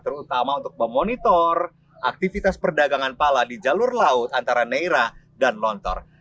terutama untuk memonitor aktivitas perdagangan pala di jalur laut antara neira dan lontor